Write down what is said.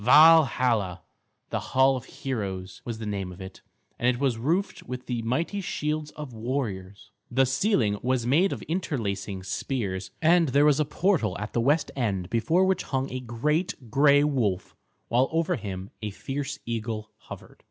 Valhalla, the Hall of Heroes, was the name of it, and it was roofed with the mighty shields of warriors. The ceiling was made of interlacing spears, and there was a portal at the west end before which hung a great gray wolf, while over him a fierce eagle hovered.